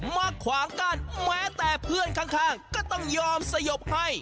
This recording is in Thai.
มาขวางกั้นแม้แต่เพื่อนข้างก็ต้องยอมสยบให้